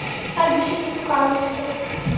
তার বিশেষ একটু কারণ ছিল।